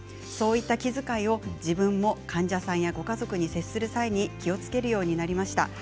そういった気遣いを自分も患者さんやご家族に接する際に気をつけるようになりました。